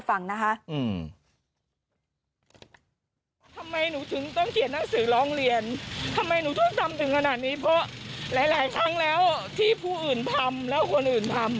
อันนี้เธอไปเล่าให้ฟังนะคะ